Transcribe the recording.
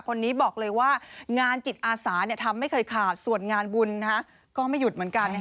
คนนี้บอกเลยว่างานจิตอาสาทำไม่เคยขาดส่วนงานบุญก็ไม่หยุดเหมือนกัน